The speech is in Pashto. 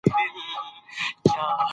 خو د غرۀ پۀ سر کښې د دومره لوے ابادي